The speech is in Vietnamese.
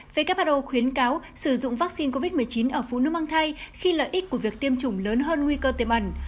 who khuyến cáo sử dụng vaccine covid một mươi chín ở phụ nữ mang thai khi lợi ích của việc tiêm chủng lớn hơn nguy cơ tiêm ẩn